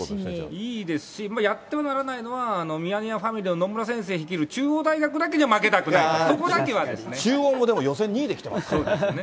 いいですし、やってはならないのは、ミヤネ屋ファミリーの野村先生率いる中央大学だけには負けたくな中央もでも、そうですね。